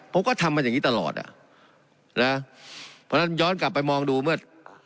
ผมก็ทำมาอย่างงี้ตลอดอ่ะนะเพราะฉะนั้นย้อนกลับไปมองดูเมื่อ